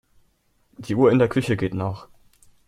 Die Uhr in der Küche geht nach.